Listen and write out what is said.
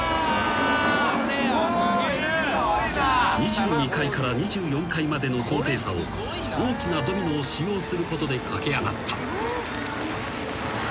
［２２階から２４階までの高低差を大きなドミノを使用することで駆け上がった］